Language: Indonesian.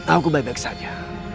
aku baik baik saja